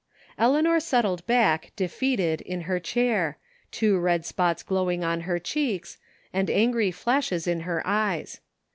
Eleanor settled back, defeated, in her chair, two red spots glowing on her cheeks, and angry flashes in her eyes.